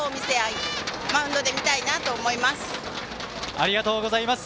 ありがとうございます。